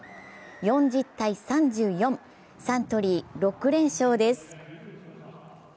４０−３４、サントリー、６連勝です。